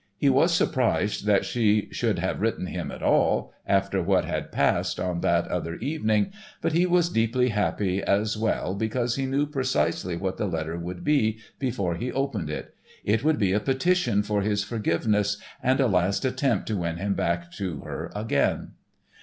He was surprised that she should have written him at all after what had passed on that other evening, but he was deeply happy as well because he knew precisely what the letter would be, before he opened it. It would be a petition for his forgiveness and a last attempt to win him back to her again.